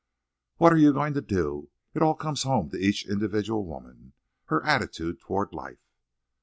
"What are you going to do? It all comes home to each individual woman. Her attitude toward life."